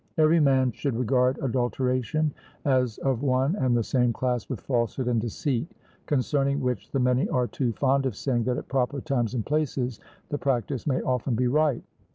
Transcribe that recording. Every man should regard adulteration as of one and the same class with falsehood and deceit, concerning which the many are too fond of saying that at proper times and places the practice may often be right.